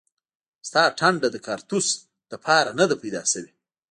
ستا ټنډه د کاړتوس لپاره نه ده پیدا شوې